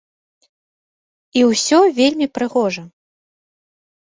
І ўсё вельмі прыгожа.